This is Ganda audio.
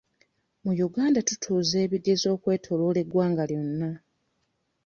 Mu Uganda, tutuuza ebigezo okwetooloola eggwanga lyonna.